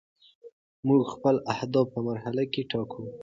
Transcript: موږ خپل اهداف په مرحله کې ټاکو.